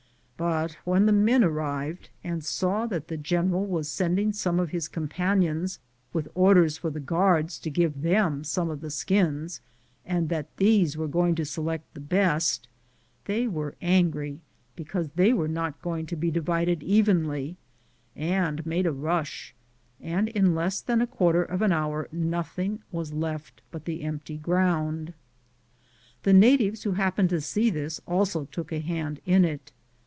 But when the men arrived and saw that the general was sending some of his companions with orders for the guards to give them some of the skins, and that these were going to select the best, they were angry because they were not going to be divided evenly, and made a rush, and in less than a quarter of an hour nothing was left but the empty ground. The natives who happened to see this also took a hand in it.